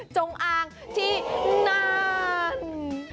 จงอางที่นั่น